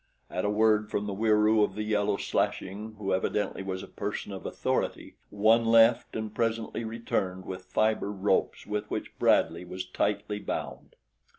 At a word from the Wieroo of the yellow slashing who evidently was a person of authority, one left and presently returned with fiber ropes with which Bradley was tightly bound.